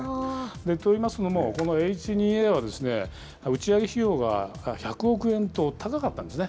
といいますのも、このＨ２Ａは、打ち上げ費用が１００億円と高かったんですね。